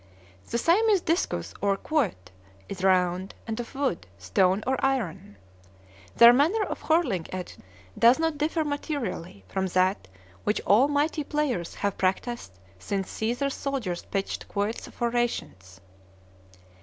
The Siamese discus, or quoit, is round, and of wood, stone, or iron. Their manner of hurling it does not differ materially from that which all mighty players have practised since Caesar's soldiers pitched quoits for rations.